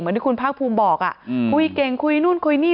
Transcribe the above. ที่คุณภาคภูมิบอกคุยเก่งคุยนู่นคุยนี่